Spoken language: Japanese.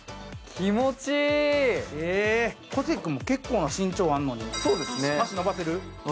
小関君も結構な身長あるのに、足伸ばせる？